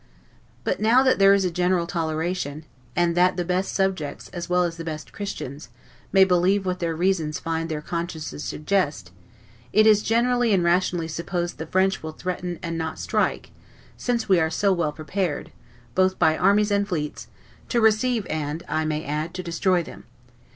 But now that there is a general toleration, and that the best subjects, as well as the best Christians, may believe what their reasons find their consciences suggest, it is generally and rationally supposed the French will threaten and not strike, since we are so well prepared, both by armies and fleets, to receive and, I may add, to destroy them.